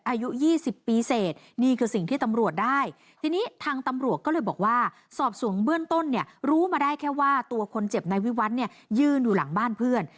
อายุ๒๐ปีเสร็จนี่คือสิ่งที่ตำรวจได้ทีนี้ทางตำรวจก็เลยบอกว่าสอบสวนเบื้องต้นเนี่ยรู้มาได้แค่ว่าตัวคนเจ็บนายวิวัฒน์เนี่ยยืนอยู่หลังบ้านเพื่อน